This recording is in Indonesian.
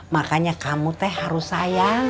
makanya kamu teh harus sayang